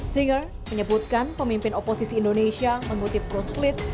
singer menyebutkan pemimpin oposisi indonesia mengutip ghost fleet